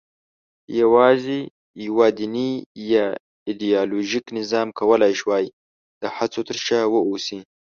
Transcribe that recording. یواځې یوه دیني یا ایدیالوژیک نظام کولای شوای د هڅو تر شا واوسي.